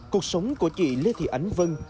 cuộc sống của chị lê thị ánh vân